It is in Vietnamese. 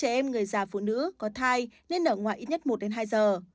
trẻ em người già phụ nữ có thai nên ở ngoài ít nhất một đến hai giờ